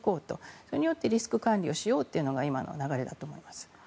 それによってリスク管理をしようというのが今の流れだと思います。